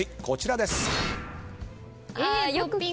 こちらです。